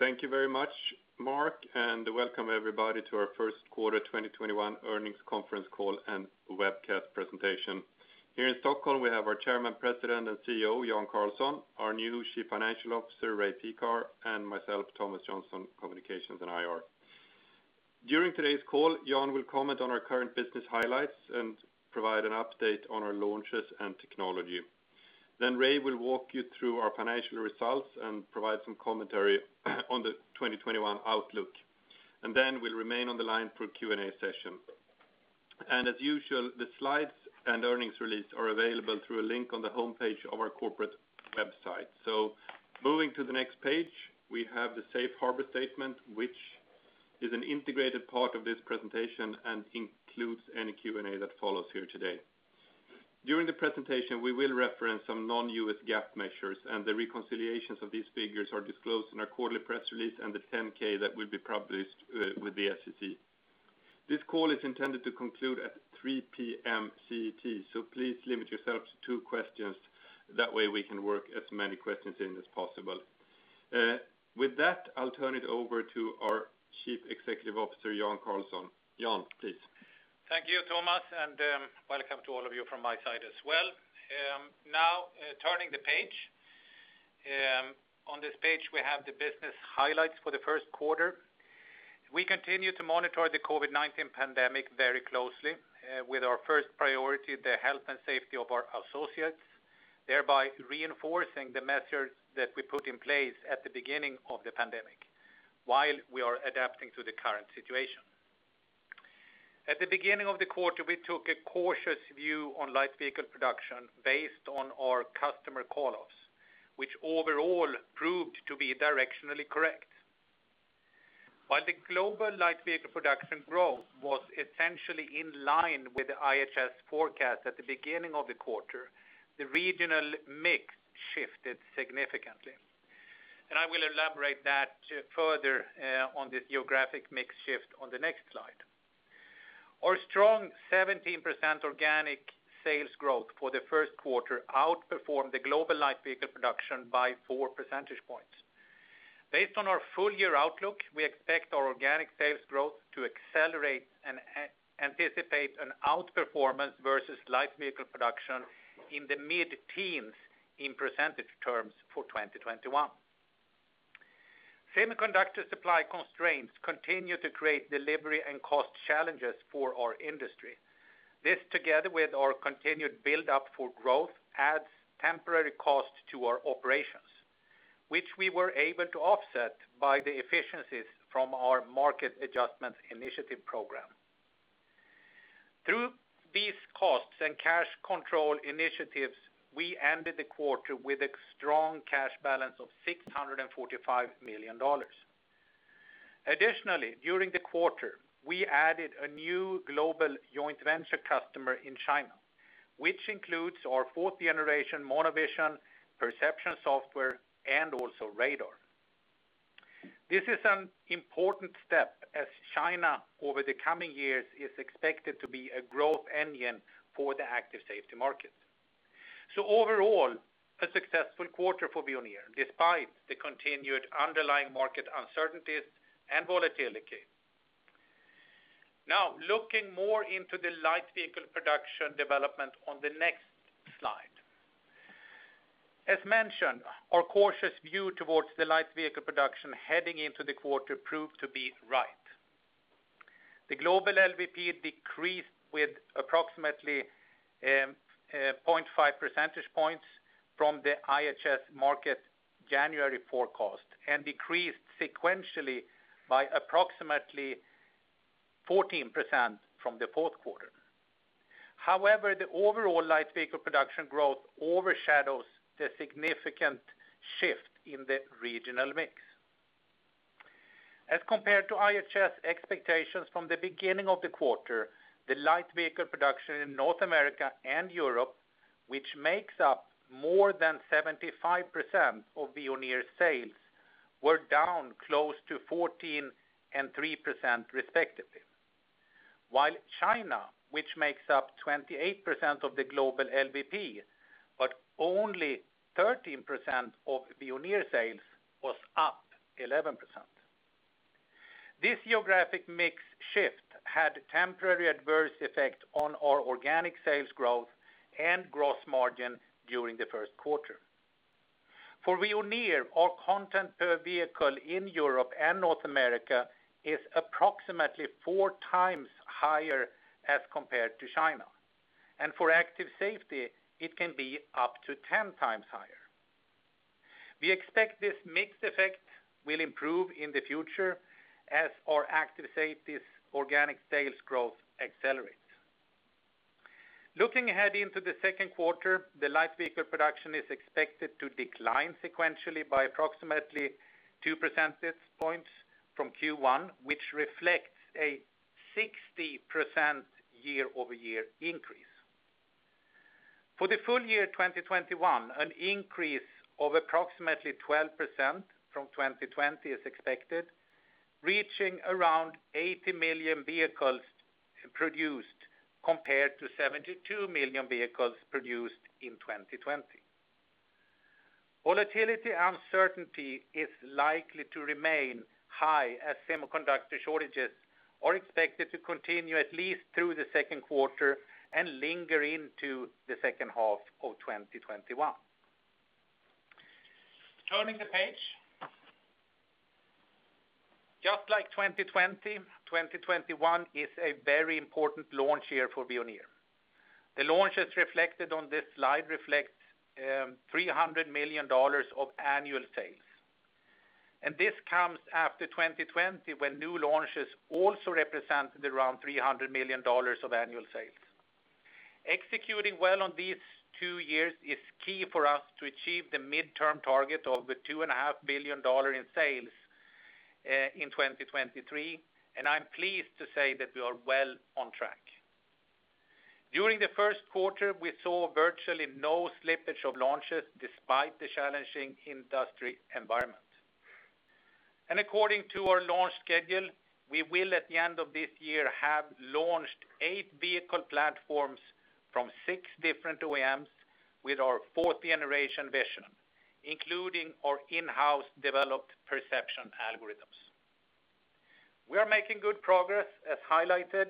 Thank you very much, Mark, and welcome everybody to our first quarter 2021 earnings conference call and webcast presentation. Here in Stockholm, we have our Chairman, President, and CEO, Jan Carlson, our new Chief Financial Officer, Ray Pekar, and myself, Thomas Jönsson, Communications and IR. During today's call, Jan will comment on our current business highlights and provide an update on our launches and technology. Ray will walk you through our financial results and provide some commentary on the 2021 outlook. We'll remain on the line for Q&A session. As usual, the slides and earnings release are available through a link on the homepage of our corporate website. Moving to the next page, we have the safe harbor statement, which is an integrated part of this presentation and includes any Q&A that follows here today. During the presentation, we will reference some non-U.S. GAAP measures, and the reconciliations of these figures are disclosed in our quarterly press release and the 10-K that will be published with the SEC. This call is intended to conclude at 3:00 P.M. CT, so please limit yourself to two questions. That way we can work as many questions in as possible. With that, I'll turn it over to our Chief Executive Officer, Jan Carlson. Jan, please. Thank you, Thomas, and welcome to all of you from my side as well. Now, turning the page. On this page, we have the business highlights for the first quarter. We continue to monitor the COVID-19 pandemic very closely, with our first priority the health and safety of our associates, thereby reinforcing the measures that we put in place at the beginning of the pandemic while we are adapting to the current situation. At the beginning of the quarter, we took a cautious view on light vehicle production based on our customer call-offs, which overall proved to be directionally correct. While the global light vehicle production growth was essentially in line with the IHS forecast at the beginning of the quarter, the regional mix shifted significantly. I will elaborate that further on this geographic mix shift on the next slide. Our strong 17% organic sales growth for the first quarter outperformed the global light vehicle production by 4 percentage points. Based on our full-year outlook, we expect our organic sales growth to accelerate and anticipate an outperformance versus light vehicle production in the mid-teens in percentage terms for 2021. Semiconductor supply constraints continue to create delivery and cost challenges for our industry. This, together with our continued buildup for growth, adds temporary cost to our operations, which we were able to offset by the efficiencies from our Market Adjustment Initiative program. Through these costs and cash control initiatives, we ended the quarter with a strong cash balance of $645 million. Additionally, during the quarter, we added a new global joint venture customer in China, which includes our 4th generation monovision perception software and also radar. This is an important step as China, over the coming years, is expected to be a growth engine for the active safety market. Overall, a successful quarter for Veoneer, despite the continued underlying market uncertainties and volatility. Looking more into the light vehicle production development on the next slide. As mentioned, our cautious view towards the light vehicle production heading into the quarter proved to be right. The global LVP decreased with approximately 0.5 percentage points from the IHS Markit January forecast and decreased sequentially by approximately 14% from the fourth quarter. The overall light vehicle production growth overshadows the significant shift in the regional mix. As compared to IHS expectations from the beginning of the quarter, the light vehicle production in North America and Europe, which makes up more than 75% of Veoneer's sales, were down close to 14% and 3% respectively. While China, which makes up 28% of the global LVP, but only 13% of Veoneer sales, was up 11%. This geographic mix shift had temporary adverse effect on our organic sales growth and gross margin during the first quarter. For Veoneer, our content per vehicle in Europe and North America is approximately four times higher as compared to China. For active safety, it can be up to 10x higher. We expect this active safety's mixed effect will improve in the future as our active safety's organic sales growth accelerates. Looking ahead into the second quarter, the light vehicle production is expected to decline sequentially by approximately 2 percentage points from Q1, which reflects a 60% year-over-year increase. For the full year 2021, an increase of approximately 12% from 2020 is expected, reaching around 80 million vehicles produced compared to 72 million vehicles produced in 2020. Volatility uncertainty is likely to remain high as semiconductor shortages are expected to continue at least through the second quarter and linger into the second half of 2021. Turning the page. Just like 2020, 2021 is a very important launch year for Veoneer. The launches reflected on this slide reflect $300 million of annual sales. This comes after 2020, when new launches also represented around $300 million of annual sales. Executing well on these two years is key for us to achieve the midterm target of the $2.5 billion in sales in 2023, and I'm pleased to say that we are well on track. During the first quarter, we saw virtually no slippage of launches despite the challenging industry environment. According to our launch schedule, we will, at the end of this year, have launched eight vehicle platforms from six different OEMs with our 4th generation vision, including our in-house developed perception algorithms. We are making good progress, as highlighted,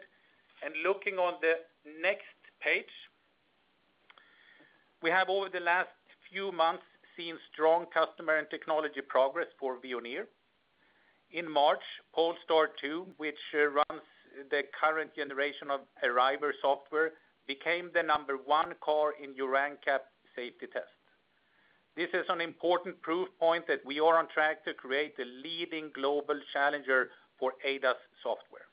and looking on the next page. We have, over the last few months, seen strong customer and technology progress for Veoneer. In March, Polestar 2, which runs the current generation of Arriver software, became the number one car in Euro NCAP safety test. This is an important proof point that we are on track to create the leading global challenger for ADAS software.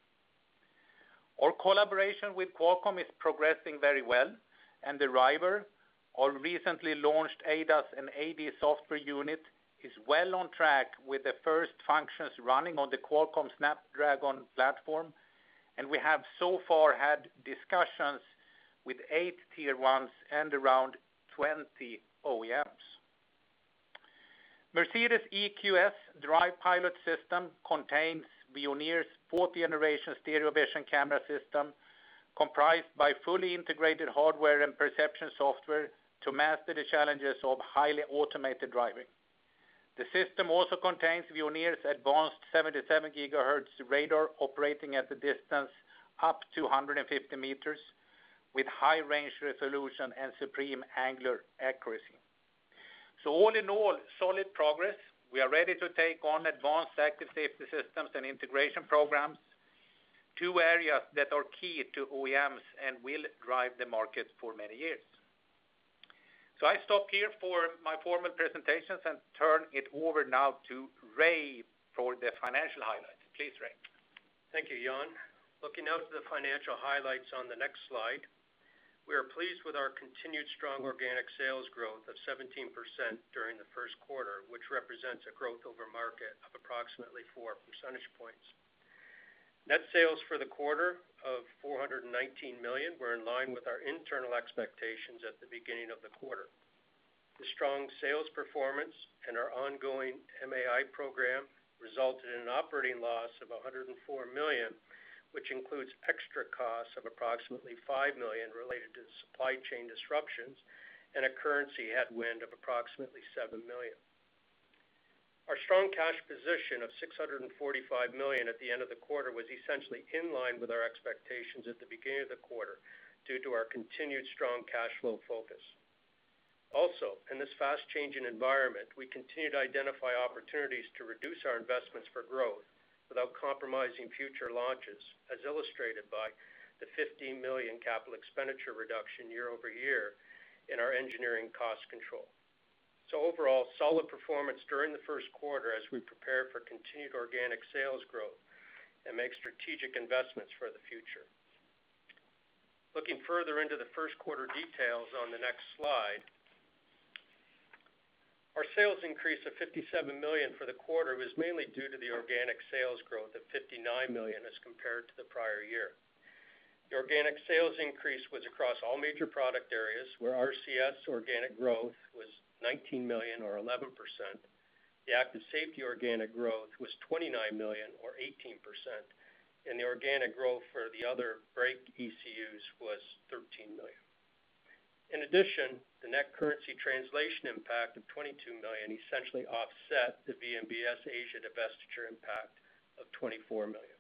Our collaboration with Qualcomm is progressing very well, and Arriver, our recently launched ADAS and AD software unit, is well on track with the first functions running on the Qualcomm Snapdragon platform, and we have so far had discussions with eight tier ones and around 20 OEMs. Mercedes EQS DRIVE PILOT system contains Veoneer's 4th generation stereo vision camera system, comprised by fully integrated hardware and perception software to master the challenges of highly automated driving. The system also contains Veoneer's advanced 77 GHz radar operating at a distance up to 150 m with high range resolution and supreme angular accuracy. All in all, solid progress. We are ready to take on advanced active safety systems and integration programs, two areas that are key to OEMs and will drive the market for many years. I stop here for my formal presentations and turn it over now to Ray for the financial highlights. Please, Ray. Thank you, Jan. Looking now to the financial highlights on the next slide. We are pleased with our continued strong organic sales growth of 17% during the first quarter, which represents a growth over market of approximately 4 percentage points. Net sales for the quarter of $419 million were in line with our internal expectations at the beginning of the quarter. The strong sales performance and our ongoing MAI program resulted in an operating loss of $104 million, which includes extra costs of approximately $5 million related to the supply chain disruptions and a currency headwind of approximately $7 million. Our strong cash position of $645 million at the end of the quarter was essentially in line with our expectations at the beginning of the quarter, due to our continued strong cash flow focus. Also, in this fast-changing environment, we continue to identify opportunities to reduce our investments for growth without compromising future launches, as illustrated by the $15 million capital expenditure reduction year-over-year in our engineering cost control. Overall, solid performance during the first quarter as we prepare for continued organic sales growth and make strategic investments for the future. Looking further into the first quarter details on the next slide. Our sales increase of $57 million for the quarter was mainly due to the organic sales growth of $59 million as compared to the prior year. The organic sales increase was across all major product areas, where RCS organic growth was $19 million or 11%, the active safety organic growth was $29 million or 18%, and the organic growth for the other brake ECUs was $13 million. In addition, the net currency translation impact of $22 million essentially offset the VNBS Asia divestiture impact of $24 million.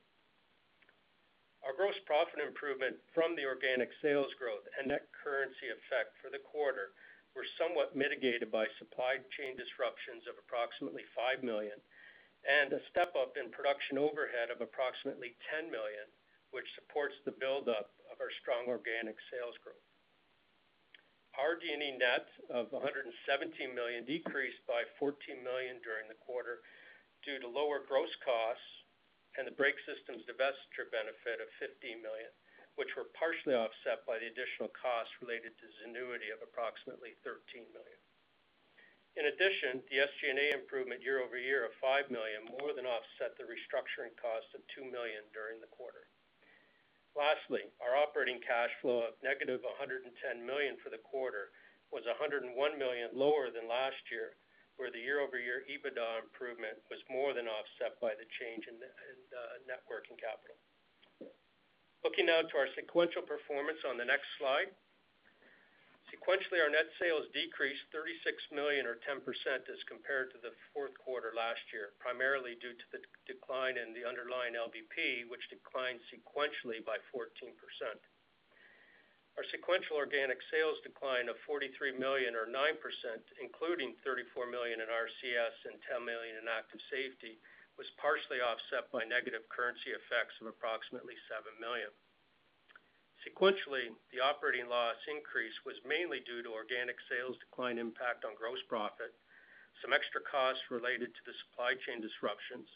Our gross profit improvement from the organic sales growth and net currency effect for the quarter were somewhat mitigated by supply chain disruptions of approximately $5 million and a step-up in production overhead of approximately $10 million, which supports the buildup of our strong organic sales growth. Our RD&E net of $117 million decreased by $14 million during the quarter due to lower gross costs and the brake systems divestiture benefit of $15 million, which were partially offset by the additional costs related to Zenuity of approximately $13 million. In addition, the SG&A improvement year-over-year of $5 million more than offset the restructuring cost of $2 million. Lastly, our operating cash flow of -$110 million for the quarter was $101 million lower than last year, where the year-over-year EBITDA improvement was more than offset by the change in net working capital. Looking now to our sequential performance on the next slide. Sequentially, our net sales decreased $36 million or 10% as compared to the fourth quarter last year, primarily due to the decline in the underlying LVP, which declined sequentially by 14%. Our sequential organic sales decline of $43 million or 9%, including $34 million in RCS and $10 million in active safety, was partially offset by negative currency effects of approximately $7 million. Sequentially, the operating loss increase was mainly due to organic sales decline impact on gross profit, some extra costs related to the supply chain disruptions,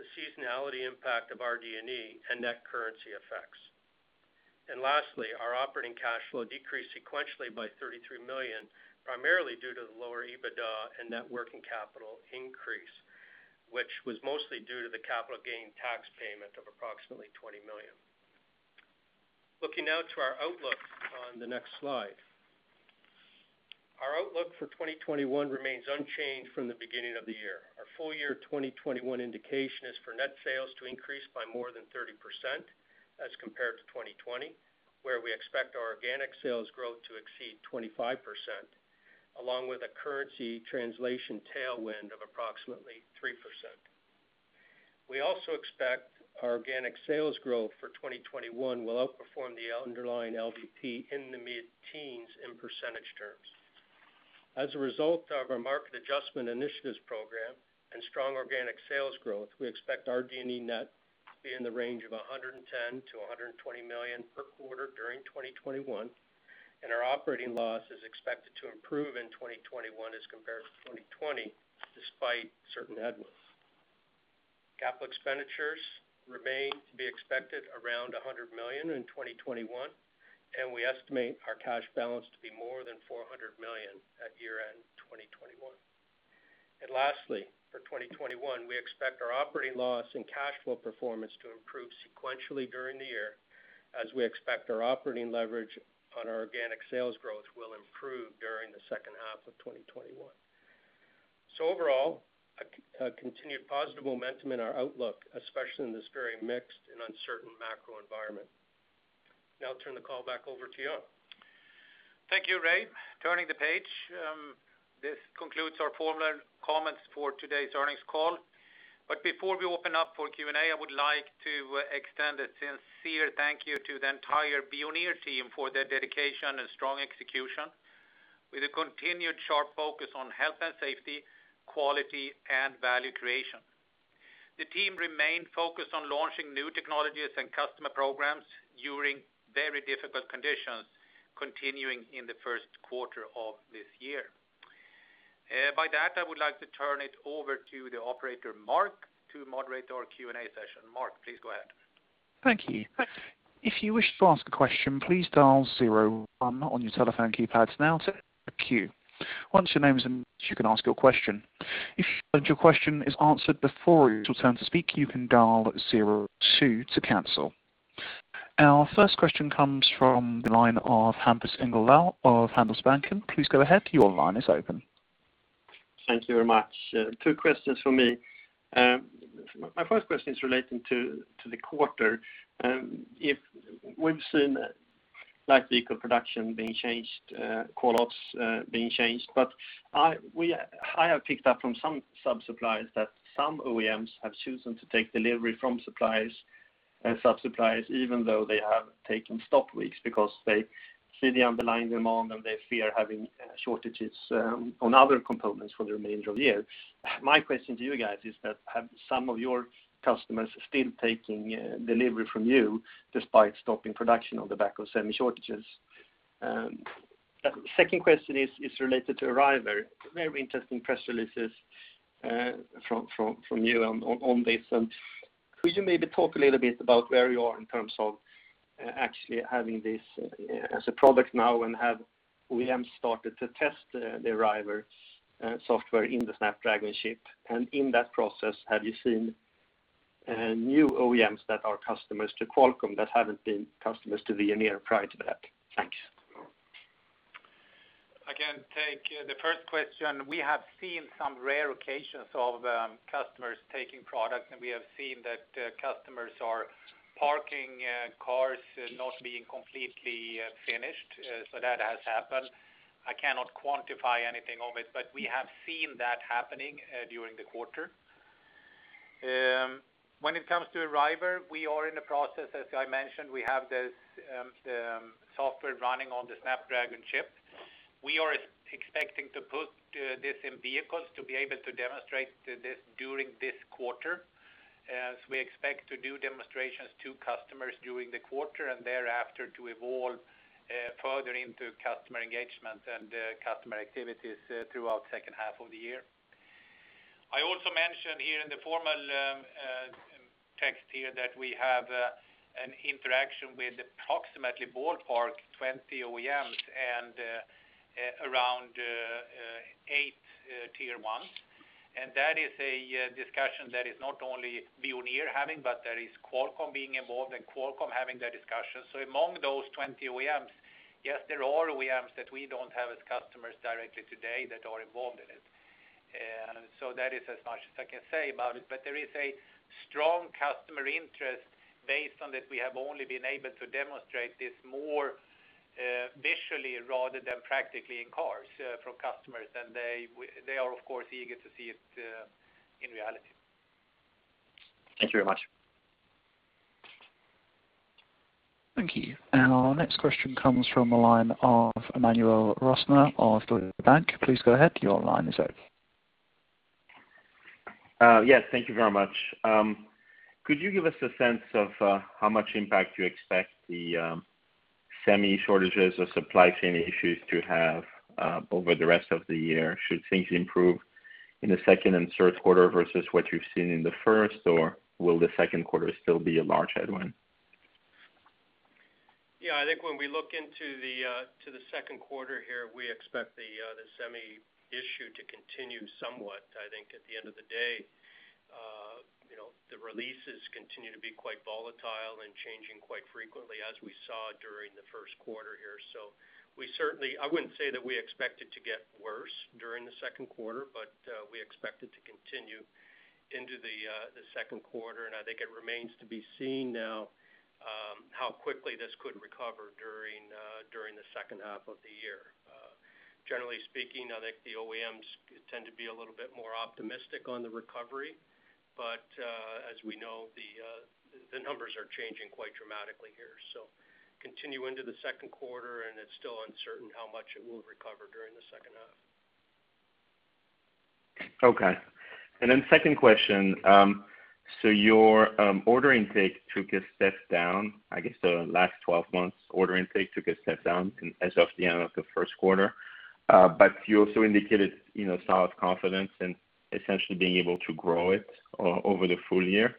the seasonality impact of our RD&E, and net currency effects. Lastly, our operating cash flow decreased sequentially by $33 million, primarily due to the lower EBITDA and net working capital increase, which was mostly due to the capital gain tax payment of approximately $20 million. Looking now to our outlook on the next slide. Our outlook for 2021 remains unchanged from the beginning of the year. Our full year 2021 indication is for net sales to increase by more than 30% as compared to 2020, where we expect our organic sales growth to exceed 25%, along with a currency translation tailwind of approximately 3%. We also expect our organic sales growth for 2021 will outperform the underlying LVP in the mid-teens in percentage terms. As a result of our market adjustment initiatives program and strong organic sales growth, we expect our RD&E net to be in the range of $110 million-$120 million per quarter during 2021, our operating loss is expected to improve in 2021 as compared to 2020, despite certain headwinds. Capital expenditures remain to be expected around $100 million in 2021, we estimate our cash balance to be more than $400 million at year-end 2021. Lastly, for 2021, we expect our operating loss and cash flow performance to improve sequentially during the year, as we expect our operating leverage on our organic sales growth will improve during the second half of 2021. Overall, a continued positive momentum in our outlook, especially in this very mixed and uncertain macro environment. Now I'll turn the call back over to Jan. Thank you, Ray. Turning the page, this concludes our formal comments for today's earnings call. Before we open up for Q&A, I would like to extend a sincere thank you to the entire Veoneer team for their dedication and strong execution with a continued sharp focus on health and safety, quality, and value creation. The team remained focused on launching new technologies and customer programs during very difficult conditions, continuing in the first quarter of this year. By that, I would like to turn it over to the operator, Mark, to moderate our Q&A session. Mark, please go ahead. Thank you. Our first question comes from the line of Hampus Engellau of Handelsbanken. Please go ahead. Your line is open. Thank you very much. Two questions from me. My first question is relating to the quarter. We've seen light vehicle production being changed, call-offs being changed. I have picked up from some sub-suppliers that some OEMs have chosen to take delivery from suppliers and sub-suppliers, even though they have taken stop weeks because they see the underlying demand, and they fear having shortages on other components for the remainder of the year. My question to you guys is that have some of your customers still taking delivery from you despite stopping production on the back of semi shortages? Second question is related to Arriver. Very interesting press releases from you on this. Could you maybe talk a little bit about where you are in terms of actually having this as a product now, and have OEMs started to test the Arriver software in the Snapdragon chip? In that process, have you seen new OEMs that are customers to Qualcomm that haven't been customers to Veoneer prior to that? Thanks. I can take the first question. We have seen some rare occasions of customers taking products, and we have seen that customers are parking cars not being completely finished. That has happened. I cannot quantify anything of it, but we have seen that happening during the quarter. When it comes to Arriver, we are in the process, as I mentioned, we have the software running on the Snapdragon chip. We are expecting to put this in vehicles to be able to demonstrate this during this quarter, as we expect to do demonstrations to customers during the quarter and thereafter to evolve further into customer engagement and customer activities throughout second half of the year. I also mentioned here in the formal text here that we have an interaction with approximately ballpark 20 OEMs and around eight tier ones. That is a discussion that is not only Veoneer having, but there is Qualcomm being involved, and Qualcomm having that discussion. Among those 20 OEMs, yes, there are OEMs that we don't have as customers directly today that are involved in it. That is as much as I can say about it. There is a strong customer interest based on that we have only been able to demonstrate this more visually rather than practically in cars from customers. They are, of course, eager to see it in reality. Thank you very much. Thank you. Our next question comes from the line of Emmanuel Rosner of Deutsche Bank. Please go ahead. Your line is open. Yes, thank you very much. Could you give us a sense of how much impact you expect the semi shortages or supply chain issues to have over the rest of the year? Should things improve in the second and third quarter versus what you've seen in the first, or will the second quarter still be a large headwind? Yeah, I think when we look into the second quarter here, we expect the semi issue to continue somewhat. I think at the end of the day, the releases continue to be quite volatile and changing quite frequently as we saw during the first quarter here. I wouldn't say that we expect it to get worse during the second quarter, but we expect it to continue into the second quarter, and I think it remains to be seen now, how quickly this could recover during the second half of the year. Generally speaking, I think the OEMs tend to be a little bit more optimistic on the recovery, but, as we know, the numbers are changing quite dramatically here. Continue into the second quarter, and it's still uncertain how much it will recover during the second half. Okay. Second question, your order intake took a step down, I guess, the last 12 months, order intake took a step down as of the end of the first quarter. You also indicated solid confidence in essentially being able to grow it over the full year.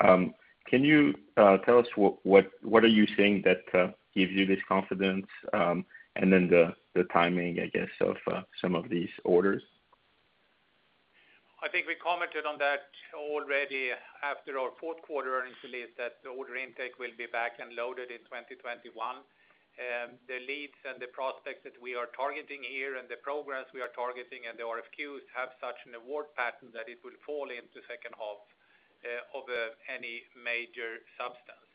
Can you tell us what are you seeing that gives you this confidence? The timing, I guess, of some of these orders? I think we commented on that already after our fourth quarter earnings release that the order intake will be back end loaded in 2021. The leads and the prospects that we are targeting here and the progress we are targeting and the RFQs have such an award pattern that it will fall into second half of any major substance.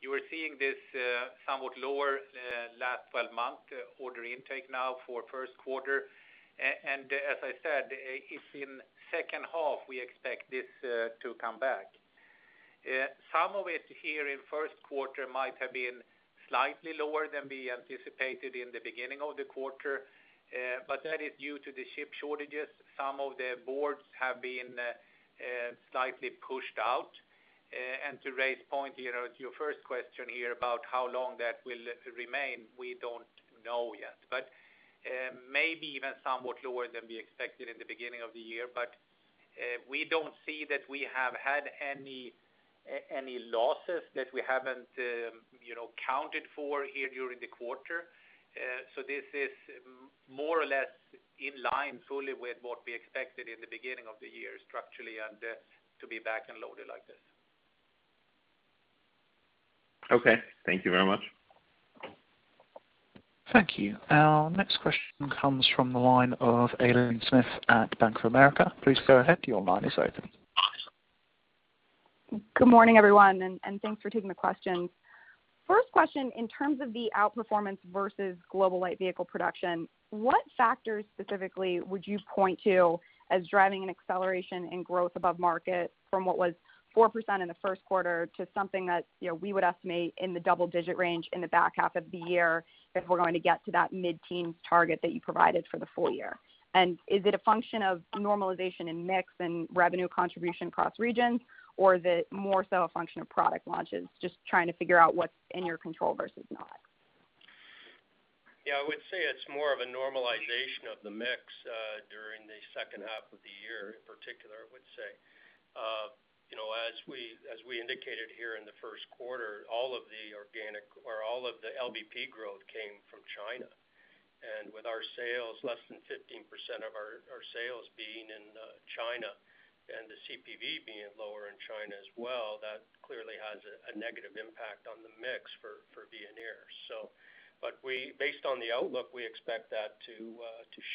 You are seeing this somewhat lower last 12-month order intake now for first quarter. As I said, it's in second half we expect this to come back. Some of it here in first quarter might have been slightly lower than we anticipated in the beginning of the quarter, but that is due to the chip shortages. Some of the boards have been slightly pushed out. To Ray's point here, your first question here about how long that will remain, we don't know yet. Maybe even somewhat lower than we expected in the beginning of the year, but we don't see that we have had any losses that we haven't counted for here during the quarter. This is more or less in line fully with what we expected in the beginning of the year, structurally, and to be back end loaded like this. Okay. Thank you very much. Thank you. Our next question comes from the line of Aileen Smith at Bank of America. Please go ahead. Your line is open. Good morning, everyone, and thanks for taking the questions. First question, in terms of the outperformance versus global light vehicle production, what factors specifically would you point to as driving an acceleration in growth above market from what was 4% in the first quarter to something that we would estimate in the double-digit range in the back half of the year if we're going to get to that mid-teens target that you provided for the full year? Is it a function of normalization in mix and revenue contribution across regions, or is it more so a function of product launches? Just trying to figure out what's in your control versus not. Yeah, I would say it's more of a normalization of the mix, during the second half of the year in particular, I would say. As we indicated here in the first quarter, all of the LVP growth came from China. With our sales, less than 15% of our sales being in China, and the CPV being lower in China as well, that clearly has a negative impact on the mix for Veoneer. Based on the outlook, we expect that to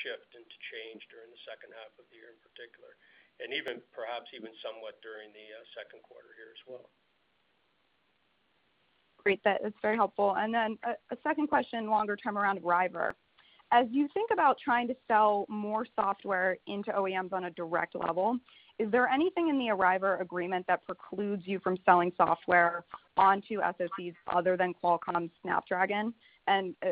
shift and to change during the second half of the year in particular, and perhaps even somewhat during the second quarter here as well. Great. That is very helpful. A second question, longer term around Arriver. As you think about trying to sell more software into OEMs on a direct level, is there anything in the Arriver agreement that precludes you from selling software onto SoCs other than Qualcomm Snapdragon?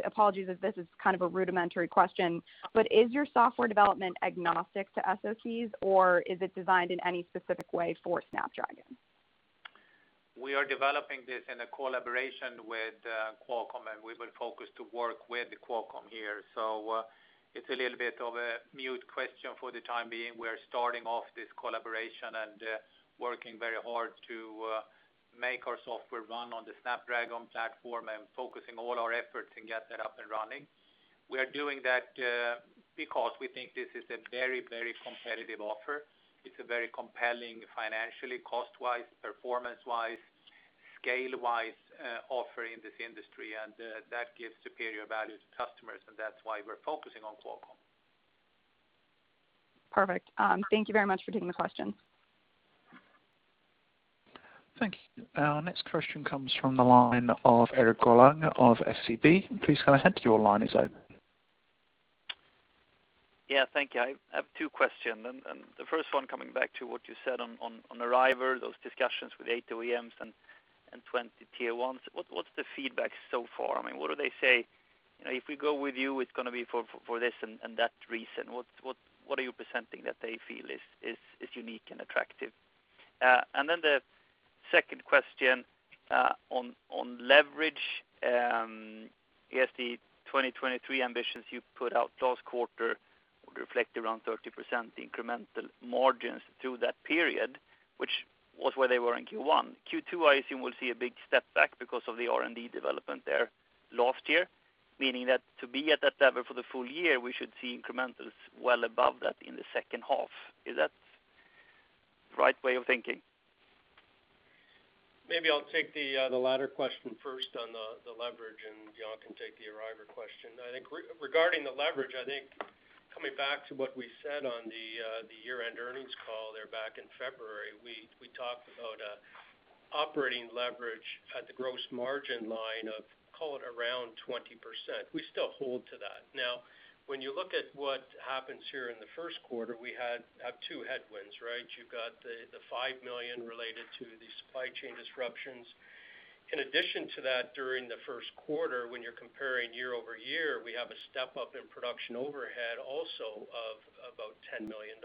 Apologies if this is kind of a rudimentary question, but is your software development agnostic to SoCs, or is it designed in any specific way for Snapdragon? We are developing this in a collaboration with Qualcomm, and we will focus to work with Qualcomm here. It's a little bit of a mute question for the time being. We're starting off this collaboration and working very hard to make our software run on the Snapdragon platform and focusing all our efforts and get that up and running. We are doing that because we think this is a very competitive offer. It's a very compelling financially cost-wise, performance-wise, scale-wise, offer in this industry, and that gives superior value to customers, and that's why we're focusing on Qualcomm. Perfect. Thank you very much for taking the question. Thank you. Our next question comes from the line of Erik Golrang of SEB. Please go ahead. Your line is open. Thank you. I have two questions, and the first one coming back to what you said on Arriver, those discussions with eight OEMs and 20 tier ones. What's the feedback so far? What do they say? "If we go with you, it's going to be for this and that reason." What are you presenting that they feel is unique and attractive? Then the second question, on leverage. I guess the 2023 ambitions you put out last quarter would reflect around 30% incremental margins through that period, which was where they were in Q1. Q2, I assume, we'll see a big step back because of the R&D development there last year, meaning that to be at that level for the full year, we should see incrementals well above that in the second half. Is that the right way of thinking? Maybe I'll take the latter question first on the leverage, and Jan can take the Arriver question. I think regarding the leverage, I think coming back to what we said on the year-end earnings call there back in February, we talked about operating leverage at the gross margin line of, call it around 20%. We still hold to that. Now, when you look at what happens here in the first quarter, we have two headwinds, right? You've got the $5 million related to the supply chain disruptions. In addition to that, during the first quarter, when you're comparing year-over-year, we have a step-up in production overhead also of about $10 million.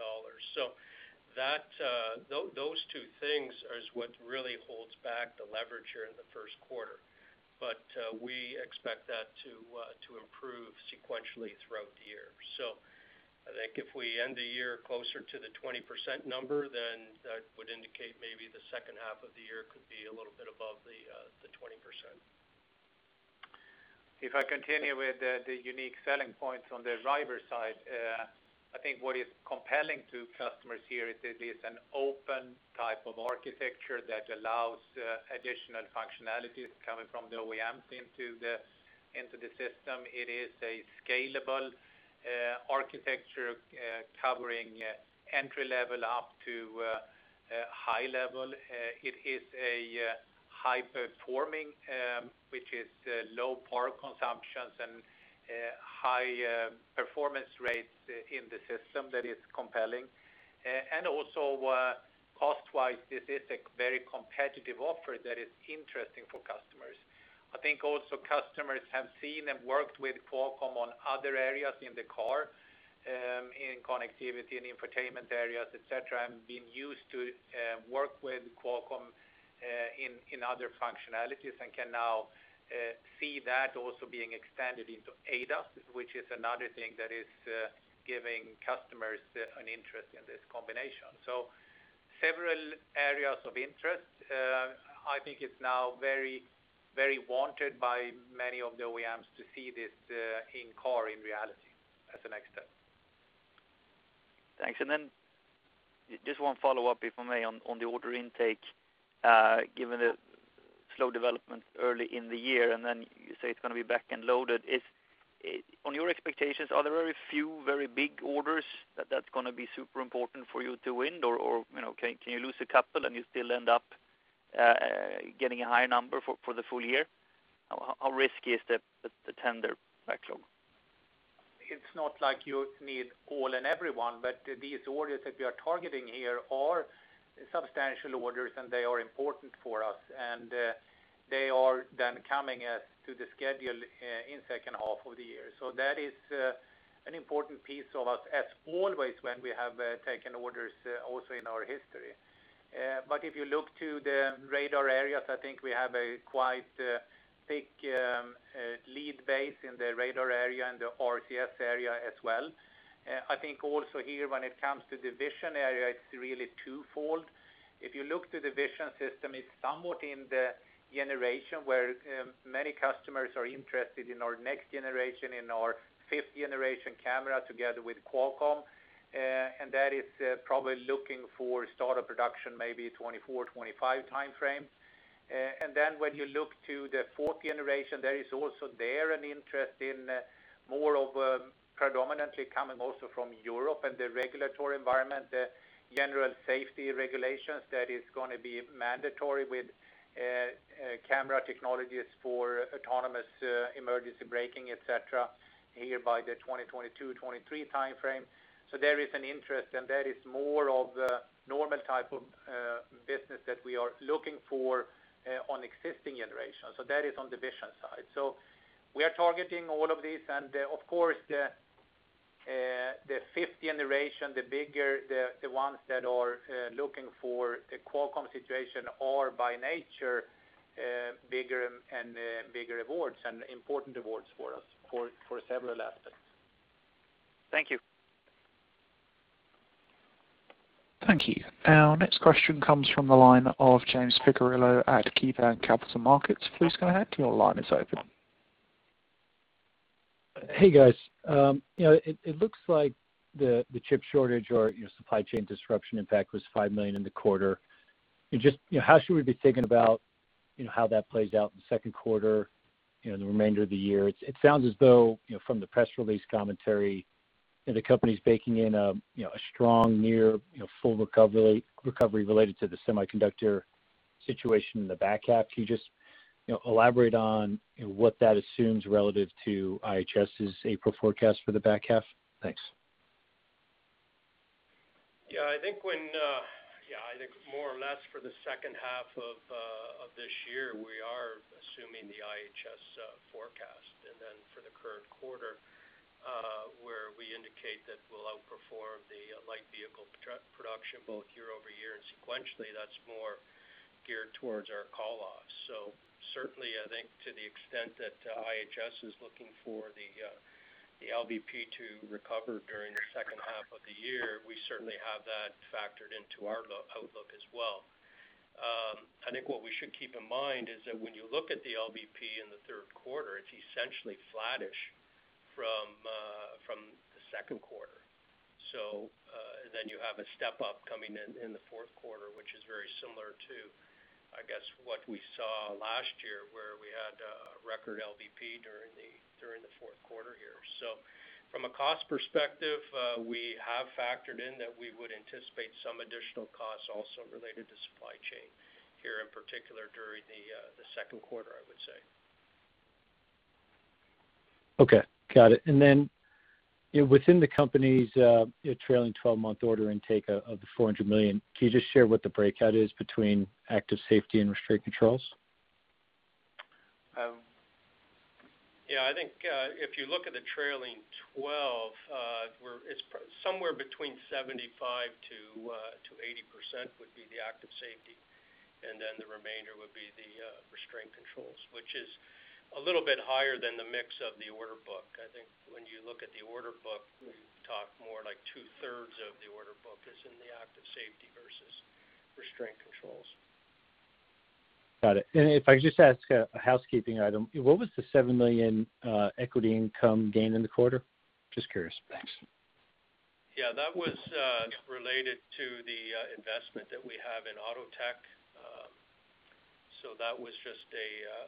Those two things are what really holds back the leverage here in the first quarter. We expect that to improve sequentially throughout the year. I think if we end the year closer to the 20% number, that would indicate maybe the second half of the year could be a little bit above the 20%. If I continue with the unique selling points on the Arriver side, I think what is compelling to customers here is it is an open type of architecture that allows additional functionalities coming from the OEMs into the system. It is a scalable architecture, covering entry-level up to high-level. It is high-performing, which is low power consumptions and high performance rates in the system that is compelling. Also cost-wise, this is a very competitive offer that is interesting for customers. I think also customers have seen and worked with Qualcomm on other areas in the car, in connectivity, in infotainment areas, et cetera, and been used to work with Qualcomm in other functionalities and can now see that also being extended into ADAS, which is another thing that is giving customers an interest in this combination. Several areas of interest. I think it's now very wanted by many of the OEMs to see this in-car in reality as the next step. Thanks. Just one follow-up, if I may, on the order intake, given the slow development early in the year, you say it's going to be back-end loaded. On your expectations, are there very few, very big orders that's going to be super important for you to win? Can you lose a couple and you still end up getting a high number for the full year? How risky is the tender backlog? It's not like you need all and everyone, but these orders that we are targeting here are substantial orders, and they are important for us, and they are then coming to the schedule in the second half of the year. That is an important piece of us, as always when we have taken orders also in our history. If you look to the radar areas, I think we have a quite big lead base in the radar area and the RCS area as well. Also here, when it comes to the vision area, it's really twofold. If you look to the vision system, it's somewhat in the generation where many customers are interested in our next generation, in our 5th generation camera together with Qualcomm, that is probably looking for start of production maybe 2024 or 2025 timeframe. When you look to the 4th generation, there is also there an interest in more of predominantly coming also from Europe and the regulatory environment, the General Safety Regulation that is going to be mandatory with camera technologies for autonomous emergency braking, et cetera, here by the 2022-2023 timeframe. There is an interest, and that is more of the normal type of business that we are looking for on existing generations. That is on the vision side. We are targeting all of these, and of course, the 5th generation, the bigger, the ones that are looking for a Qualcomm situation are by nature bigger and bigger awards and important awards for us for several aspects. Thank you. Thank you. Our next question comes from the line of James Picariello at KeyBanc Capital Markets. Please go ahead. Your line is open. Hey, guys. It looks like the chip shortage or supply chain disruption impact was $5 million in the quarter. How should we be thinking about how that plays out in the second quarter, the remainder of the year? It sounds as though, from the press release commentary, the company's baking in a strong, near full recovery related to the semiconductor situation in the back half. Can you just elaborate on what that assumes relative to IHS Markit's April forecast for the back half? Thanks. I think more or less for the second half of this year, we are assuming the IHS forecast. For the current quarter, where we indicate that we'll outperform the light vehicle production both year-over-year and sequentially, that's more geared towards our call-offs. Certainly, I think to the extent that IHS is looking for the LVP to recover during the second half of the year, we certainly have that factored into our outlook as well. I think what we should keep in mind is that when you look at the LVP in the third quarter, it's essentially flattish from the second quarter. Then you have a step-up coming in the fourth quarter, which is very similar to, I guess, what we saw last year, where we had a record LVP during the fourth quarter here. From a cost perspective, we have factored in that we would anticipate some additional costs also related to supply chain here, in particular during the second quarter, I would say. Okay. Got it. Within the company's trailing 12-month order intake of the $400 million, can you just share what the breakout is between active safety and restraint controls? Yeah, I think if you look at the trailing 12, it is somewhere between 75%-80% would be the active safety, and then the remainder would be the restraint controls, which is a little bit higher than the mix of the order book. I think when you look at the order book, we talk more like two-thirds of the order book is in the active safety versus restraint controls. Got it. If I could just ask a housekeeping item, what was the $7 million equity income gain in the quarter? Just curious. Thanks. That was related to the investment that we have in Autotech. That was just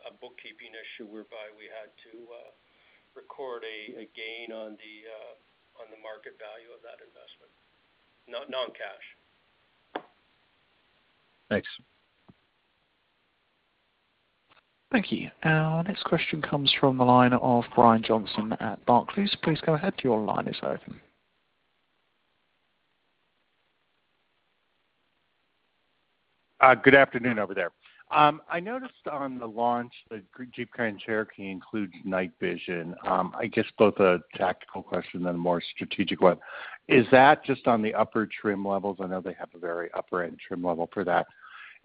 a bookkeeping issue whereby we had to record a gain on the market value of that investment. Non-cash. Thanks. Thank you. Our next question comes from the line of Brian Johnson at Barclays. Please go ahead. Your line is open. Good afternoon over there. I noticed on the launch that Jeep Grand Cherokee includes night vision. I guess both a tactical question then a more strategic one. Is that just on the upper trim levels? I know they have a very upper-end trim level for that.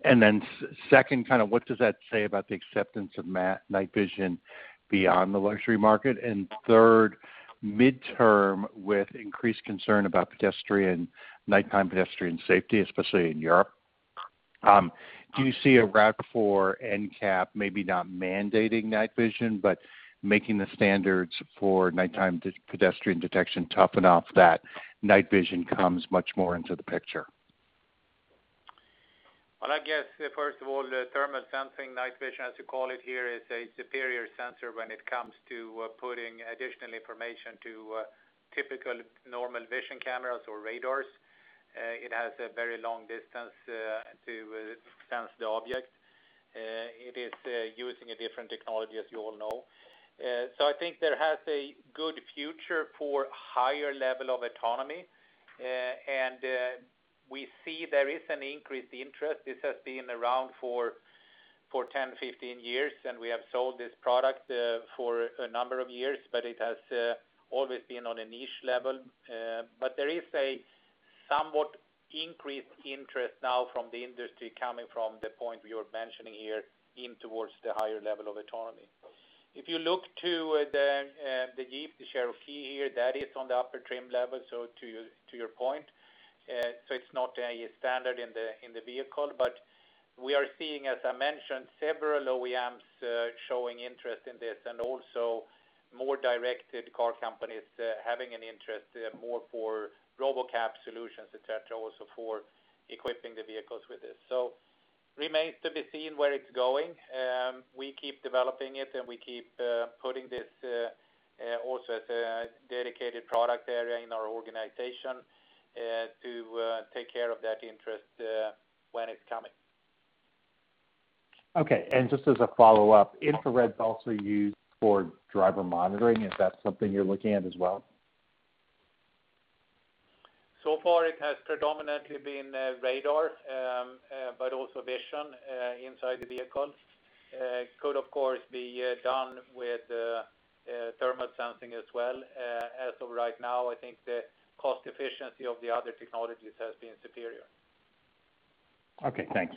Then second, what does that say about the acceptance of night vision beyond the luxury market? Third, midterm, with increased concern about nighttime pedestrian safety, especially in Europe, do you see a route for NCAP maybe not mandating night vision, but making the standards for nighttime pedestrian detection tough enough that night vision comes much more into the picture? Well, I guess, first of all, the thermal sensing night vision, as you call it here, is a superior sensor when it comes to putting additional information to typical normal vision cameras or radars. It has a very long distance to sense the object. It is using a different technology, as you all know. I think there has a good future for higher level of autonomy, and we see there is an increased interest. This has been around for 10, 15 years, and we have sold this product for a number of years, but it has always been on a niche level. There is a somewhat increased interest now from the industry coming from the point you're mentioning here in towards the higher level of autonomy. If you look to the Jeep Cherokee here, that is on the upper trim level. To your point, it's not a standard in the vehicle, but we are seeing, as I mentioned, several OEMs showing interest in this and also more directed car companies having an interest more for robotaxi solutions, et cetera, also for equipping the vehicles with this. Remains to be seen where it's going. We keep developing it, and we keep putting this also as a dedicated product area in our organization to take care of that interest when it's coming. Okay, just as a follow-up, infrared's also used for driver monitoring. Is that something you're looking at as well? Far it has predominantly been radar, but also vision inside the vehicle. Could, of course, be done with thermal sensing as well. As of right now, I think the cost efficiency of the other technologies has been superior. Okay, thanks.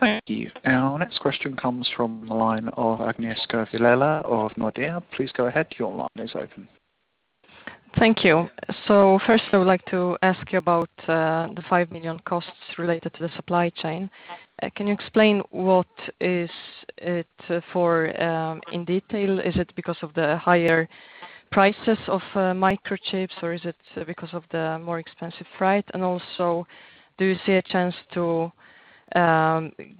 Thank you. Our next question comes from the line of Agnieszka Vilela of Nordea. Please go ahead. Your line is open. Thank you. First, I would like to ask you about the $5 million costs related to the supply chain. Can you explain what it is for in detail? Is it because of the higher prices of microchips, or is it because of the more expensive freight? Also, do you see a chance to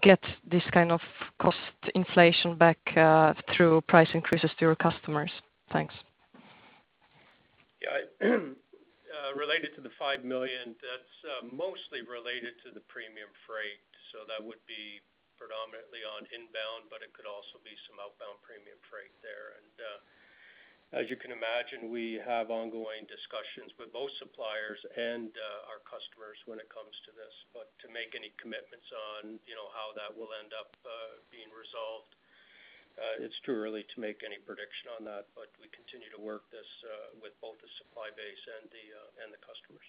get this kind of cost inflation back through price increases to your customers? Thanks. Yeah. Related to the $5 million, that's mostly related to the premium freight. That would be predominantly on inbound, but it could also be some outbound premium freight there. As you can imagine, we have ongoing discussions with both suppliers and our customers when it comes to this. To make any commitments on how that will end up being resolved, it's too early to make any prediction on that. We continue to work this with both the supply base and the customers.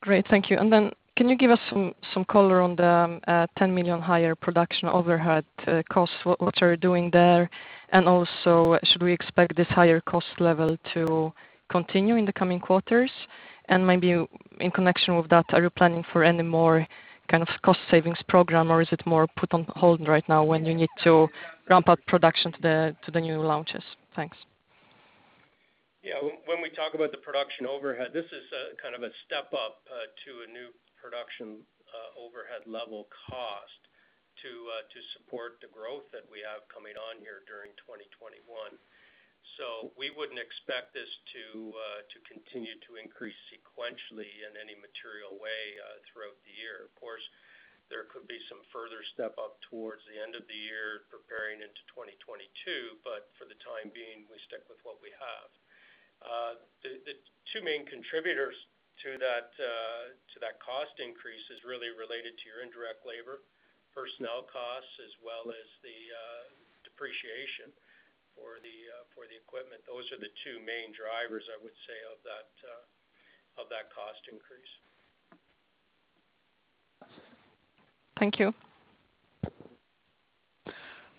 Great. Thank you. Then can you give us some color on the $10 million higher production overhead costs? What you're doing there, and also should we expect this higher cost level to continue in the coming quarters? Maybe in connection with that, are you planning for any more kind of cost savings program, or is it more put on hold right now when you need to ramp up production to the new launches? Thanks. Yeah. When we talk about the production overhead, this is kind of a step up to a new production overhead level cost to support the growth that we have coming on here during 2021. We wouldn't expect this to continue to increase sequentially in any material way throughout the year. Of course, there could be some further step up towards the end of the year preparing into 2022. For the time being, we stick with what we have. The two main contributors to that cost increase is really related to your indirect labor, personnel costs, as well as the depreciation for the equipment. Those are the two main drivers, I would say, of that cost increase. Thank you.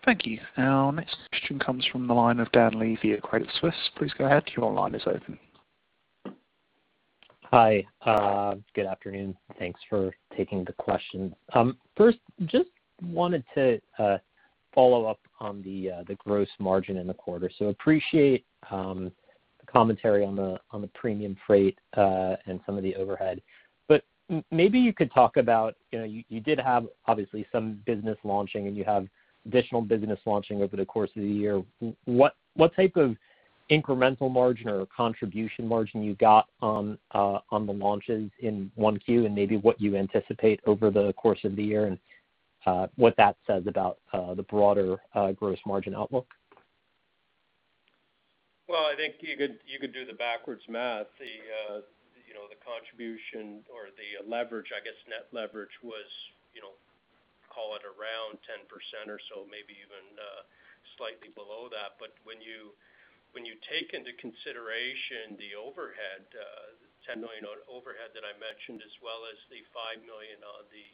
Thank you. Our next question comes from the line of Dan Levy of Credit Suisse. Please go ahead. Your line is open. Hi. Good afternoon. Thanks for taking the question. First, just wanted to follow up on the gross margin in the quarter. Appreciate the commentary on the premium freight, and some of the overhead. Maybe you could talk about, you did have obviously some business launching, and you have additional business launching over the course of the year. What type of incremental margin or contribution margin you got on the launches in 1Q, and maybe what you anticipate over the course of the year, and what that says about the broader gross margin outlook? Well, I think you could do the backwards math. The contribution or the leverage, I guess net leverage was, call it around 10% or so, maybe even slightly below that. When you take into consideration the overhead, the $10 million on overhead that I mentioned, as well as the $5 million on the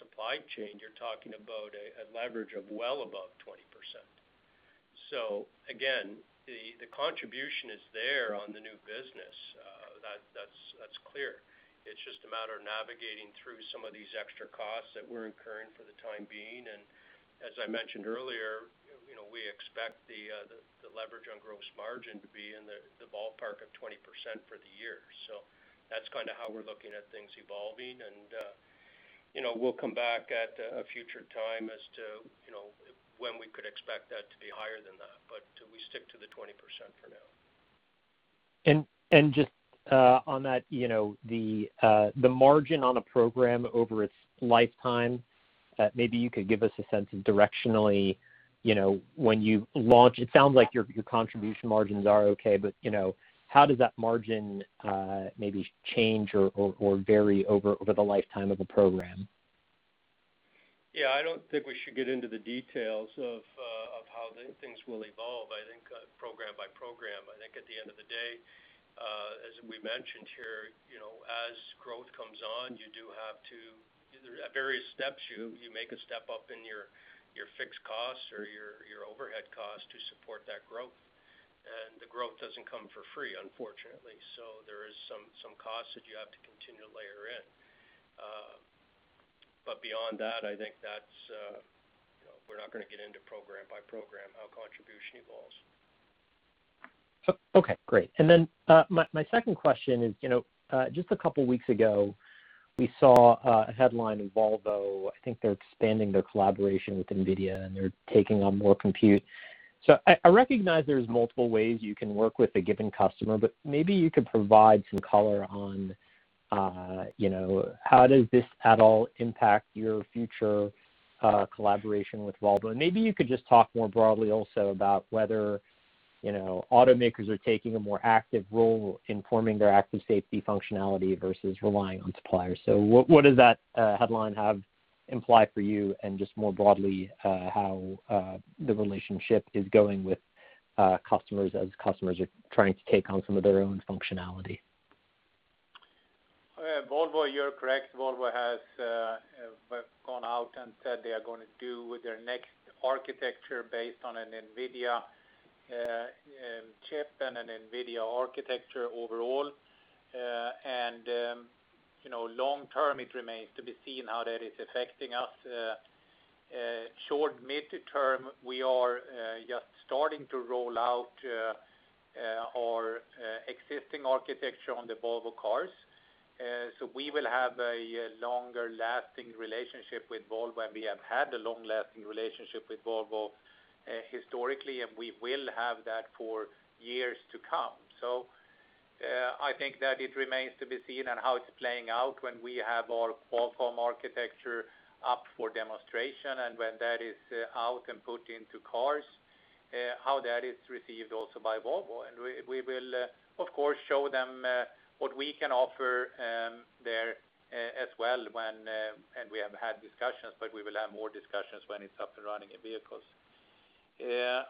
supply chain, you're talking about a leverage of well above 20%. Again, the contribution is there on the new business. That's clear. It's just a matter of navigating through some of these extra costs that we're incurring for the time being. As I mentioned earlier, we expect the leverage on gross margin to be in the ballpark of 20% for the year. That's kind of how we're looking at things evolving, and we'll come back at a future time as to when we could expect that to be higher than that. We stick to the 20% for now. Just on that, the margin on a program over its lifetime, maybe you could give us a sense of directionally, when you launch, it sounds like your contribution margins are okay, but how does that margin maybe change or vary over the lifetime of a program? Yeah, I don't think we should get into the details of how things will evolve, I think, program by program. I think at the end of the day, as we mentioned here, as growth comes on, you do have to, at various steps, you make a step-up in your fixed costs or your overhead costs to support that growth. The growth doesn't come for free, unfortunately. There is some cost that you have to continue to layer in. Beyond that, I think we're not going to get into program by program how contribution evolves. Okay, great. My second question is, just a couple of weeks ago, we saw a headline, Volvo, I think they're expanding their collaboration with NVIDIA, and they're taking on more compute. I recognize there's multiple ways you can work with a given customer, but maybe you could provide some color on how does this at all impact your future collaboration with Volvo? Maybe you could just talk more broadly also about whether automakers are taking a more active role in forming their active safety functionality versus relying on suppliers. What does that headline imply for you and just more broadly, how the relationship is going with customers as customers are trying to take on some of their own functionality? Volvo, you're correct. Volvo has gone out and said they are going to do with their next architecture based on an NVIDIA chip and an NVIDIA architecture overall. Long term, it remains to be seen how that is affecting us. Short-, mid-term, we are just starting to roll out our existing architecture on the Volvo cars. We will have a longer-lasting relationship with Volvo, and we have had a long-lasting relationship with Volvo historically, and we will have that for years to come. I think that it remains to be seen on how it's playing out when we have our Qualcomm architecture up for demonstration, and when that is out and put into cars, how that is received also by Volvo. We will, of course, show them what we can offer there as well when, and we have had discussions, but we will have more discussions when it's up and running in vehicles.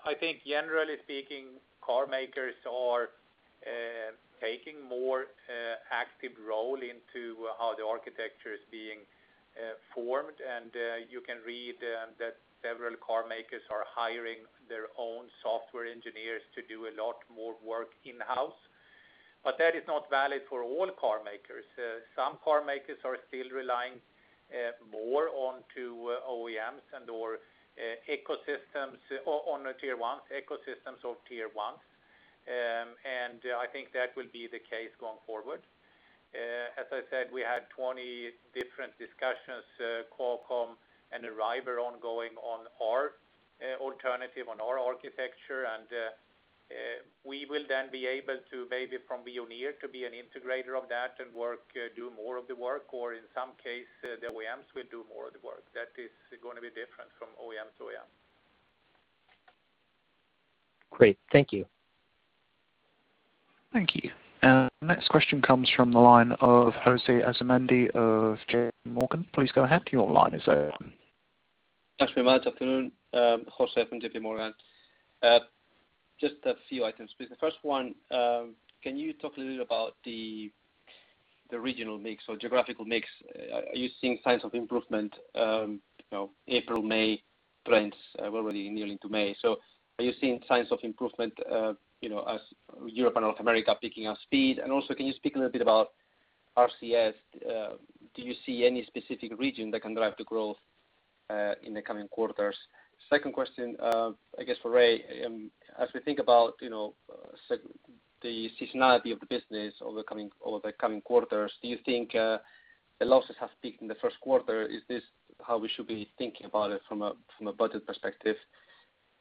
I think generally speaking, car makers are taking more active role into how the architecture is being formed. You can read that several car makers are hiring their own software engineers to do a lot more work in-house. That is not valid for all car makers. Some car makers are still relying more onto OEMs and/or ecosystems on tier ones, ecosystems of tier ones. I think that will be the case going forward. As I said, we had 20 different discussions, Qualcomm and Arriver ongoing on our alternative on our architecture, and we will then be able to maybe from Veoneer to be an integrator of that and do more of the work, or in some case, the OEMs will do more of the work. That is going to be different from OEMs to OEMs. Great. Thank you. Thank you. Next question comes from the line of José Asumendi of J.P. Morgan. Please go ahead. Your line is open. Thanks very much. Afternoon. José from J.P. Morgan. Just a few items, please. The first one, can you talk a little bit about the regional mix or geographical mix? Are you seeing signs of improvement April, May trends? We're already nearing to May. Are you seeing signs of improvement as Europe and North America picking up speed? Also, can you speak a little bit about RCS? Do you see any specific region that can drive the growth in the coming quarters? Second question, I guess for Ray. As we think about the seasonality of the business over the coming quarters, do you think the losses have peaked in the first quarter? Is this how we should be thinking about it from a budget perspective?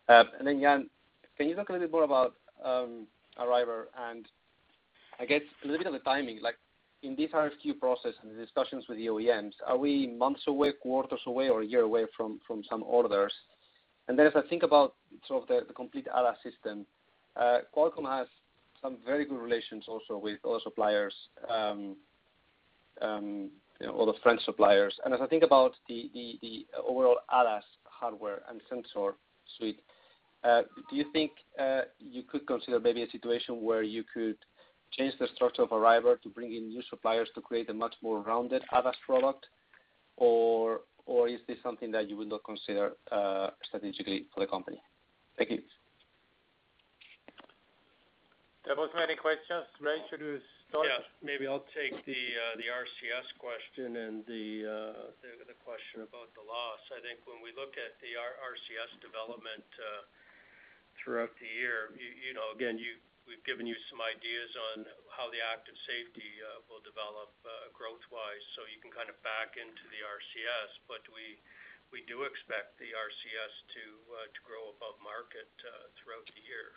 Jan, can you talk a little bit more about Arriver and I guess a little bit on the timing, like in this RFQ process and the discussions with the OEMs, are we months away, quarters away, or a year away from some orders? As I think about sort of the complete ADAS system, Qualcomm has some very good relations also with all suppliers, all the friend suppliers. As I think about the overall ADAS hardware and sensor suite, do you think you could consider maybe a situation where you could change the structure of Arriver to bring in new suppliers to create a much more rounded ADAS product? Is this something that you would not consider strategically for the company? Thank you. That was many questions. Ray, should you start? Yeah. Maybe I'll take the RCS question and the question about the loss. I think when we look at the RCS development throughout the year, again, we've given you some ideas on how the active safety will develop growth-wise, so you can kind of back into the RCS. We do expect the RCS to grow above market throughout the year.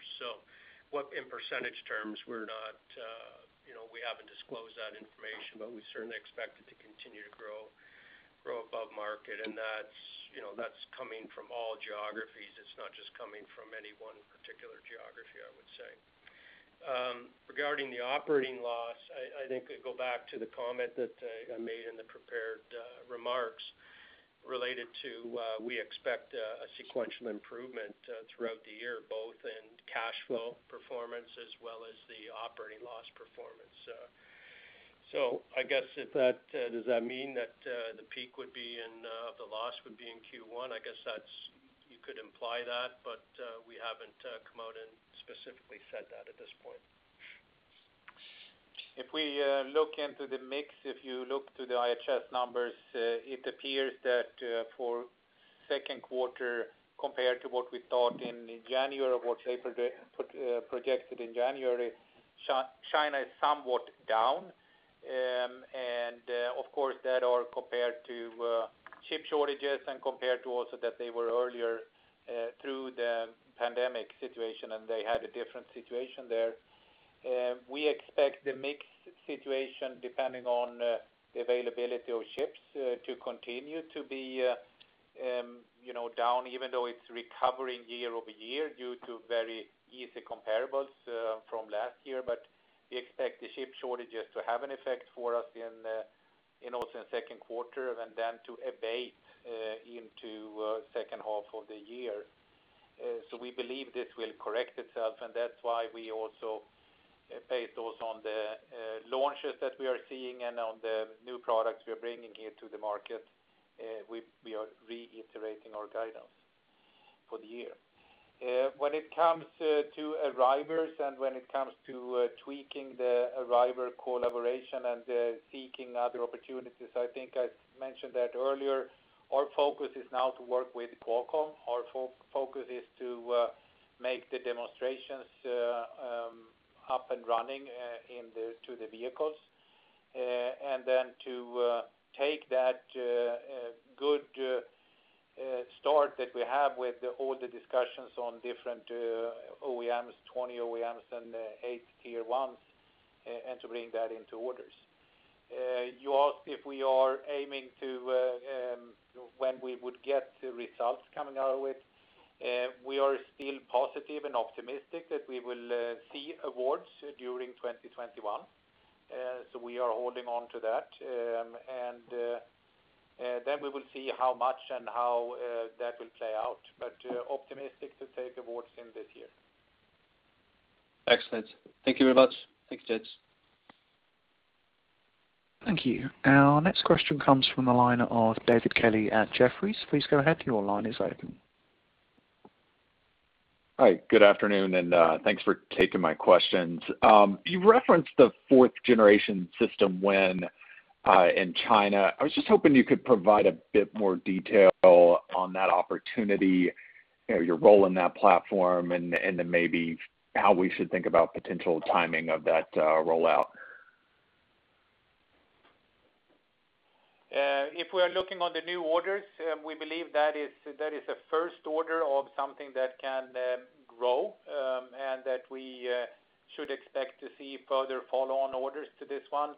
In percentage terms, we haven't disclosed that information, but we certainly expect it to continue to grow above market, and that's coming from all geographies. It's not just coming from any one particular geography, I would say. Regarding the operating loss, I think I go back to the comment that I made in the prepared remarks related to we expect a sequential improvement throughout the year, both in cash flow performance as well as the operating loss performance. I guess does that mean that the peak would be in the loss would be in Q1? I guess you could imply that, but we haven't come out and specifically said that at this point. If we look into the mix, if you look to the IHS numbers, it appears that for second quarter compared to what we thought in January, what they projected in January, China is somewhat down. Of course, that all compared to chip shortages and compared to also that they were earlier through the pandemic situation, and they had a different situation there. We expect the mix situation, depending on the availability of chips, to continue to be down, even though it's recovering year-over-year due to very easy comparables from last year. We expect the chip shortages to have an effect for us in also in second quarter and then to abate into second half of the year. We believe this will correct itself, and that's why we also based those on the launches that we are seeing and on the new products we are bringing into the market. We are reiterating our guidance for the year. When it comes to Arriver and when it comes to tweaking the Arriver collaboration and seeking other opportunities, I think I mentioned that earlier, our focus is now to work with Qualcomm. Our focus is to make the demonstrations up and running to the vehicles, and then to take that good start that we have with all the discussions on different OEMs, 20 OEMs and eight tier ones, and to bring that into orders. You asked when we would get the results coming out of it. We are still positive and optimistic that we will see awards during 2021. We are holding on to that, and then we will see how much and how that will play out. Optimistic to take awards in this year. Excellent. Thank you very much. Thank you. Our next question comes from the line of David Kelley at Jefferies. Please go ahead. Your line is open. Hi, good afternoon, thanks for taking my questions. You referenced the 4th generation system win in China. I was just hoping you could provide a bit more detail on that opportunity, your role in that platform, and then maybe how we should think about potential timing of that rollout. If we are looking on the new orders, we believe that is a first order of something that can grow, and that we should expect to see further follow-on orders to this one.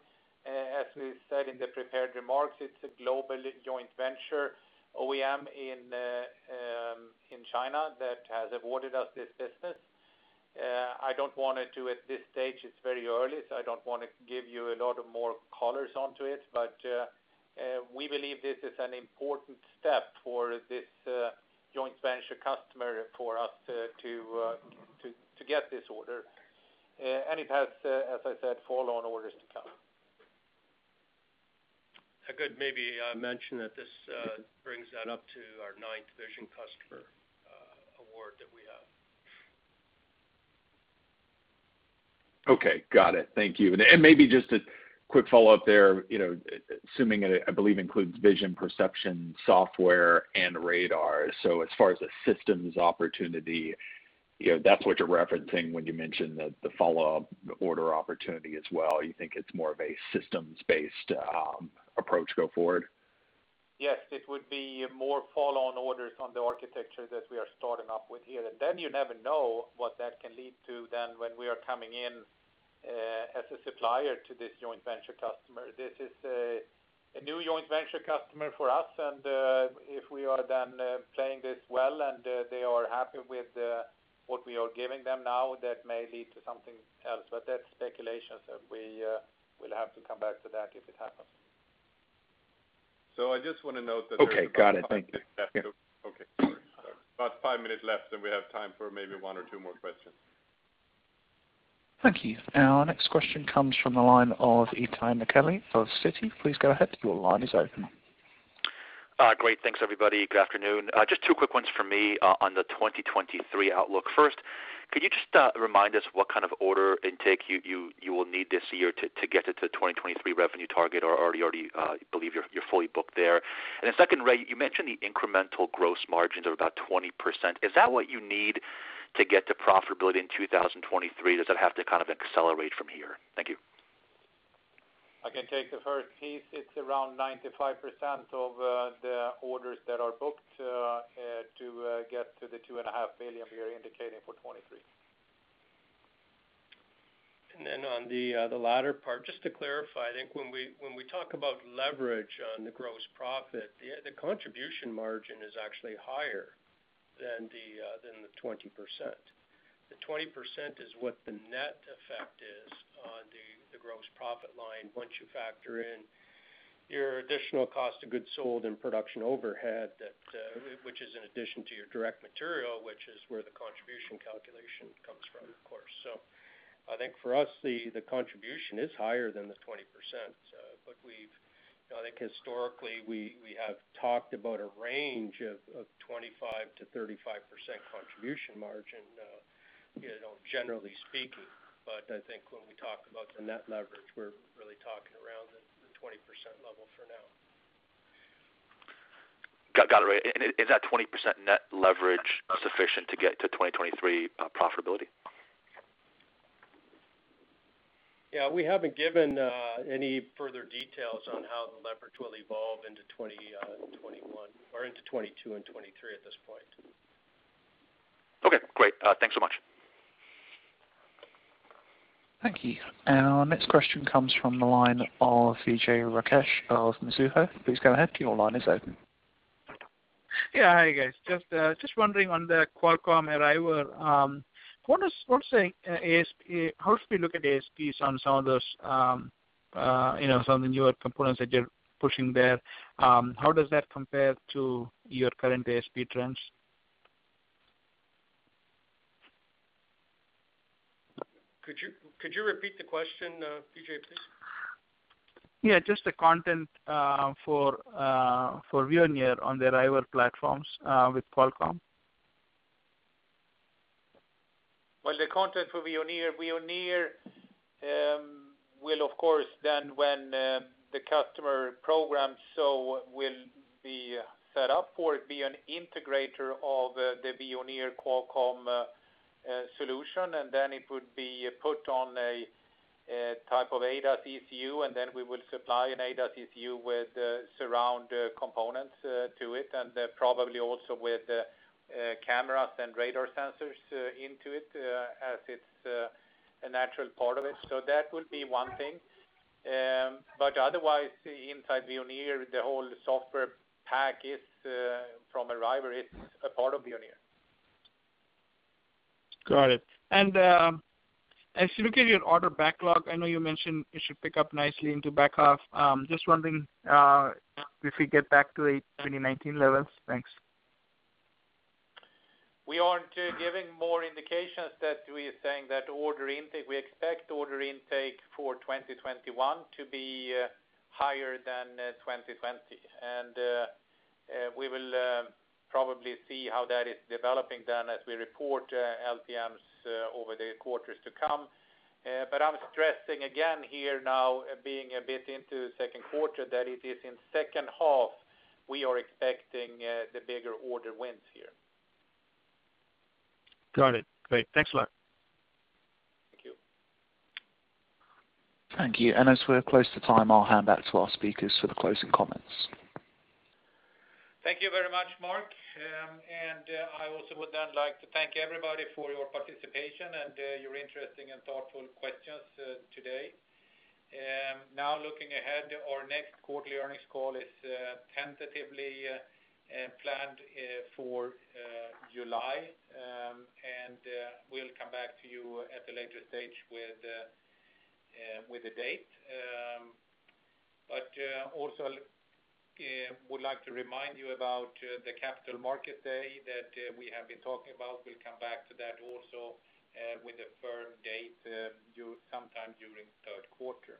As we said in the prepared remarks, it's a global joint venture OEM in China that has awarded us this business. At this stage, it's very early, I don't want to give you a lot of more colors onto it. We believe this is an important step for this joint venture customer for us to get this order. It has, as I said, follow-on orders to come. I could maybe mention that this brings that up to our night vision customer award that we have. Okay. Got it. Thank you. Maybe just a quick follow-up there, assuming I believe includes vision, perception, software, and radar. As far as a systems opportunity, that's what you're referencing when you mention the follow-up order opportunity as well. You think it's more of a systems-based approach go forward? Yes. It would be more follow-on orders on the architecture that we are starting up with here. You never know what that can lead to then when we are coming in as a supplier to this joint venture customer. This is a new joint venture customer for us, and if we are then playing this well and they are happy with what we are giving them now, that may lead to something else. That's speculation, so we will have to come back to that if it happens. I just want to note that. Okay. Got it. Thank you. Okay, sorry. About five minutes left, and we have time for maybe one or two more questions. Thank you. Our next question comes from the line of Itay Michaeli of Citi. Please go ahead. Your line is open. Great. Thanks, everybody. Good afternoon. Just two quick ones for me on the 2023 outlook. First, could you just remind us what kind of order intake you will need this year to get it to 2023 revenue target, or are you already believe you're fully booked there? Then second, Ray, you mentioned the incremental gross margins are about 20%. Is that what you need to get to profitability in 2023, or does that have to accelerate from here? Thank you. I can take the first piece. It's around 95% of the orders that are booked to get to the $2.5 billion we are indicating for 2023. On the latter part, just to clarify, I think when we talk about leverage on the gross profit, the contribution margin is actually higher than the 20%. The 20% is what the net effect is on the gross profit line once you factor in your additional cost of goods sold and production overhead, which is in addition to your direct material, which is where the contribution calculation comes from, of course. I think for us, the contribution is higher than the 20%. I think historically, we have talked about a range of 25%-35% contribution margin, generally speaking. I think when we talk about the net leverage, we're really talking around the 20% level for now. Got it. Ray, is that 20% net leverage sufficient to get to 2023 profitability? Yeah. We haven't given any further details on how the leverage will evolve into 2021 or into 2022 and 2023 at this point. Okay, great. Thanks so much. Thank you. Our next question comes from the line of Vijay Rakesh of Mizuho. Please go ahead. Your line is open. Yeah. Hi, guys. Just wondering on the Qualcomm Arriver. How should we look at ASPs on some of the newer components that you're pushing there, how does that compare to your current ASP trends? Could you repeat the question, Vijay, please? Yeah, just the content for Veoneer on the Arriver platforms with Qualcomm. Well, the content for Veoneer will, of course, then when the customer program so will be set up for it, be an integrator of the Veoneer Qualcomm solution. It would be put on a type of ADAS ECU, and then we will supply an ADAS ECU with surround components to it, and probably also with cameras and radar sensors into it as it's a natural part of it. That will be one thing. Otherwise, inside Veoneer, the whole software pack from Arriver, it's a part of Veoneer. Got it. As you look at your order backlog, I know you mentioned it should pick up nicely into back half. Just wondering if we get back to 2019 levels. Thanks. We aren't giving more indications that we are saying that we expect order intake for 2021 to be higher than 2020. We will probably see how that is developing then as we report LTMs over the quarters to come. I'm stressing again here now, being a bit into the second quarter, that it is in second half, we are expecting the bigger order wins here. Got it. Great. Thanks a lot. Thank you. Thank you. As we're close to time, I'll hand back to our speakers for the closing comments. Thank you very much, Mark. I also would then like to thank everybody for your participation and your interesting and thoughtful questions today. Now looking ahead, our next quarterly earnings call is tentatively planned for July. We'll come back to you at a later stage with the date. Also would like to remind you about the Capital Market Day that we have been talking about. We'll come back to that also with a firm date sometime during third quarter.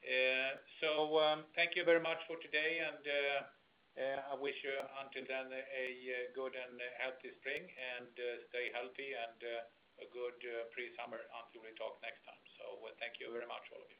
Thank you very much for today, and I wish you until then a good and healthy spring, and stay healthy, and a good pre-summer until we talk next time. Thank you very much all of you.